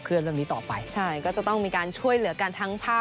ก็จะต้องมีการช่วยเหลือกันทั้งภาค